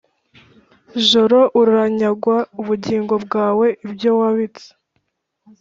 Joro uranyagwa ubugingo bwawe ibyo wabitse